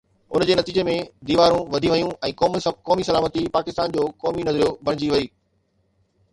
ان جي نتيجي ۾ ديوارون وڌي ويون ۽ قومي سلامتي پاڪستان جو قومي نظريو بڻجي وئي.